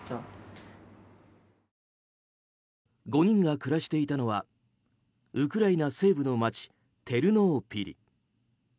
５人が暮らしていたのはウクライナ西部の街テルノーピリ。